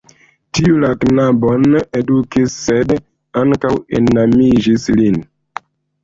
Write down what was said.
Tiu la knabon edukis, sed ankaŭ enamiĝis lin.